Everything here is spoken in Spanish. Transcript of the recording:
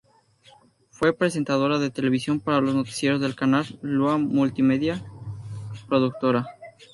Fue presentadora de televisión para los noticieros del canal Lua Multimedia s. L. Productora.